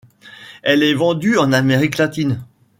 Elle est vendue en Amérique latine.